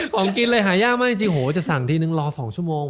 ของกินเลยหายากมากจริงโหจะสั่งทีนึงรอ๒ชั่วโมง